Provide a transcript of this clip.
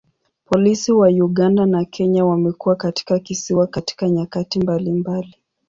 Polisi wa Uganda na Kenya wamekuwa katika kisiwa katika nyakati mbalimbali.